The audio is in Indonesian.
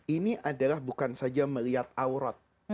ini adalah bukan saja melihat aurat